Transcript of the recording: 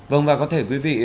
vâng và có thể quý vị